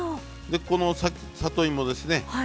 でこの里芋ですね。